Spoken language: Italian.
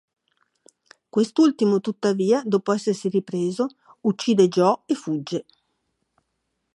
Quest'ultimo, tuttavia, dopo essersi ripreso, uccide Joe e fugge.